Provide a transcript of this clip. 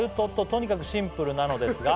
「とにかくシンプルなのですが」